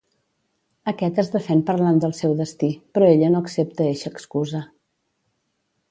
Aquest es defèn parlant del seu destí, però ella no accepta eixa excusa.